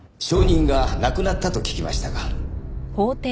証人が亡くなったと聞きましたが。